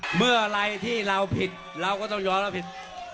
เมื่ออะไรที่เราผิดเราก็ต้องยอมรับผิด